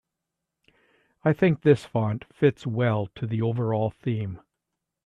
I think this font fits well to the overall theme.